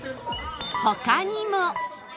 他にも